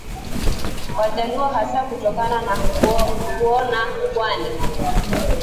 Wajaluo hasa kutokana na kuona kwani